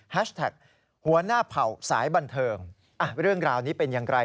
แท็กหัวหน้าเผ่าสายบันเทิงเรื่องราวนี้เป็นอย่างไร